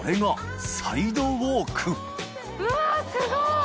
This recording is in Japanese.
うわすごい！